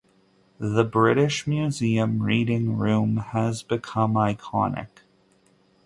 The British Museum Reading Room has become iconic.